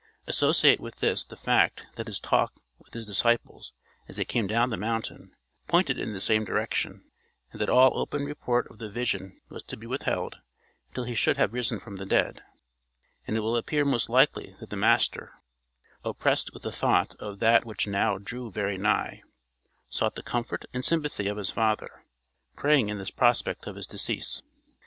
Associate with this the fact that his talk with his disciples, as they came down the mountain, pointed in the same direction, and that all open report of the vision was to be withheld until he should have risen from the dead, and it will appear most likely that the master, oppressed with the thought of that which now drew very nigh, sought the comfort and sympathy of his Father, praying in the prospect of his decease.